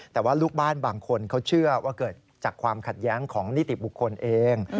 แต่ว่าลูกบ้านบางคนเขาเชื่อว่าเกิดจากความขัดแย้งของนิติบุคคลเอง